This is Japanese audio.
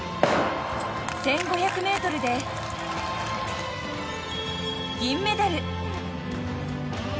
１５００ｍで銀メダル。